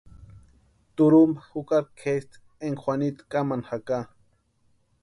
Turhumpa jukari kʼesti énka Juanitu kamani jaka.